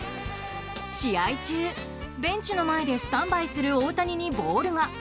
試合中、ベンチの前でスタンバイする大谷にボールが。